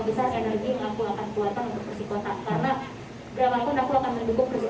besar energi yang aku akan buatkan untuk persikota karena berapapun aku akan mendukung